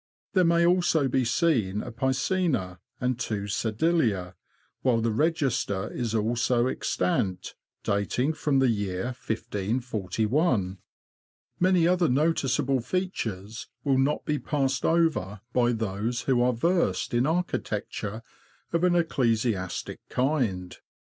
There may also be seen a piscina and two sedilia, while the register is also extant, dating from the year 1541. Many other noticeable features will not be passed over by those who are versed in architecture of an ecclesiastic kind.